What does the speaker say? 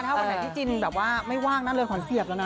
ถ้าวันไหนที่จินแบบว่าไม่ว่างนะเรือนขวัญเสียบแล้วนะ